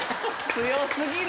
強過ぎる。